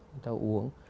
người ta uống